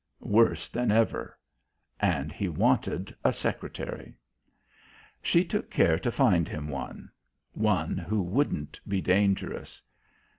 Worse than ever. And he wanted a secretary. She took care to find him one. One who wouldn't be dangerous.